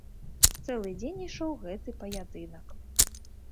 Цэлы дзень ішоў гэты паядынак.